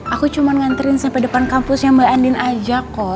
aku cuma nganterin sampai depan kampusnya mbak andin aja kok